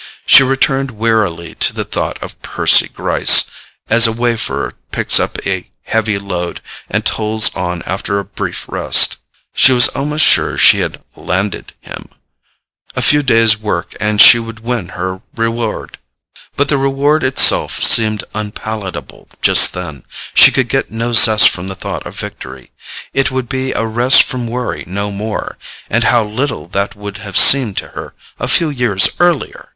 She returned wearily to the thought of Percy Gryce, as a wayfarer picks up a heavy load and toils on after a brief rest. She was almost sure she had "landed" him: a few days' work and she would win her reward. But the reward itself seemed unpalatable just then: she could get no zest from the thought of victory. It would be a rest from worry, no more—and how little that would have seemed to her a few years earlier!